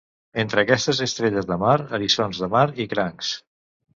Entre aquestes estrelles de mar, eriçons de mar i crancs.